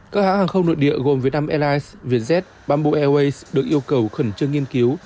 các hãng hàng không nội địa gồm việt nam airlines vietjet bamboo airways được yêu cầu khẩn trương nghiên cứu